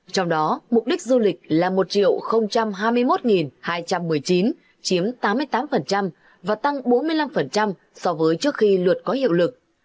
trong đó mục đích du lịch là một hai mươi một hai trăm một mươi chín chiếm tám mươi tám và tăng bốn mươi năm so với trước khi luật có hiệu lực